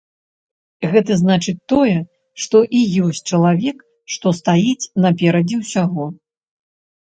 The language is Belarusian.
Гэта значыць тое, што і ёсць чалавек, што стаіць наперадзе ўсяго.